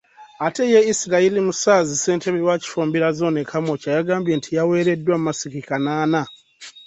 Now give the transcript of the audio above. Ate ye Israel Musaazi Ssentebe wa Kifumbira Zzooni e Kamwokya yagambye nti yawereddwa masiki kanaana.